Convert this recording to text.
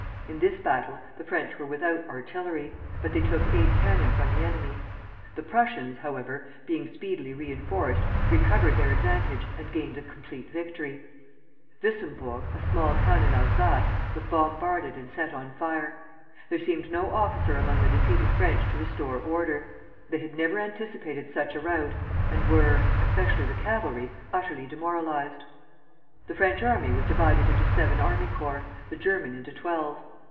In this battle the French were without artillery, but they took eight cannon from the enemy. The Prussians, however, being speedily reinforced, recovered their advantage and gained a complete victory. Wissembourg, a small town in Alsace, was bombarded and set on fire. There seemed no officer among the defeated French to restore order. They had never anticipated such a rout, and were, especially the cavalry, utterly demoralized. The French army was divided into seven army corps, the German into twelve.